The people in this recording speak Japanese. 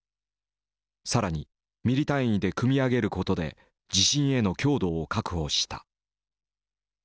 更に「ミリ単位」で組み上げることで地震への強度を確保した。